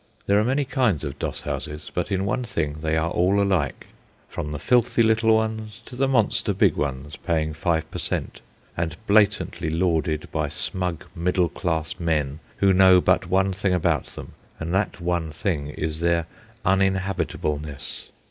There are many kinds of doss houses, but in one thing they are all alike, from the filthy little ones to the monster big ones paying five per cent. and blatantly lauded by smug middle class men who know but one thing about them, and that one thing is their uninhabitableness.